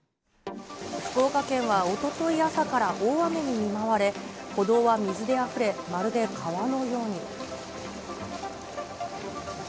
福岡県はおととい朝から、大雨に見舞われ、歩道は水であふれ、まるで川のように。